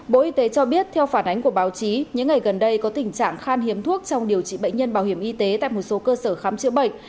bộ y tế cho biết theo phản ánh của báo chí những ngày gần đây có tình trạng khan hiếm thuốc trong điều trị bệnh nhân bảo hiểm y tế tại một số cơ sở khám chữa bệnh